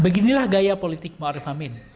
beginilah gaya politik muarif amin